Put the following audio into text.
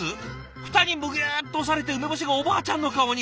フタにむぎゅっと押されて梅干しがおばあちゃんの顔に。